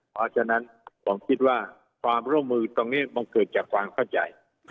เพราะฉะนั้นผมคิดว่าความร่วมมือตรงนี้มันเกิดจากความเข้าใจ